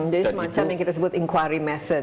jadi semacam yang kita sebut inquiry method